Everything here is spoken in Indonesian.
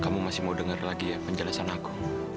kamu masih mau dengar lagi ya penjelasan aku